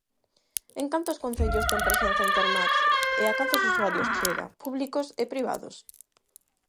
En cantos concellos ten presenza Intermax e a cantos usuarios chega, públicos e privados?